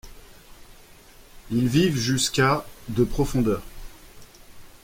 Ils vivent jusqu'à de profondeur.